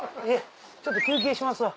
ちょっと休憩しますわ。